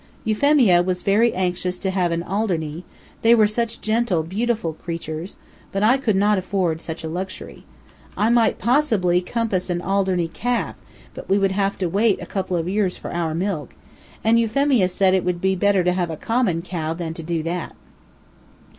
Euphemia was very anxious to have an Alderney, they were such gentle, beautiful creatures, but I could not afford such a luxury. I might possibly compass an Alderney calf, but we would have to wait a couple of years for our milk, and Euphemia said it would be better to have a common cow than to do that.